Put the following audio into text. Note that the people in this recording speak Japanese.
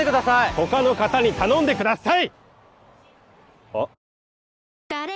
ほかの方に頼んでください！